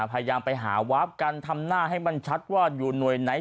พยายามไปหาวาฟกันทำหน้าให้มันชัดว่าอยู่หน่วยไหน